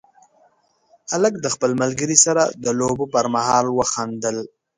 هلک د خپل ملګري سره د لوبو پر مهال وخندل.